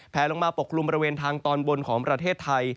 ลงมาปกกลุ่มบริเวณทางตอนบนของประเทศไทย